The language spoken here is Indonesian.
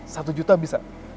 satu juta bisa